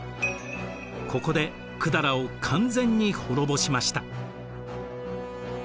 ここで百済を完全に滅ぼしました。